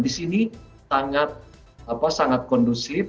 di sini sangat kondusif